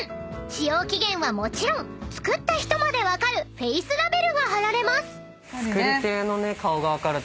［使用期限はもちろん作った人まで分かるフェイスラベルが貼られます］